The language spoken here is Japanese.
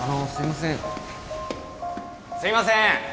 すいません！